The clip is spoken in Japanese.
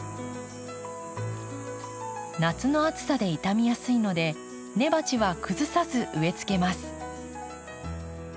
夏の暑さで傷みやすいので根鉢は崩さず植えつけます。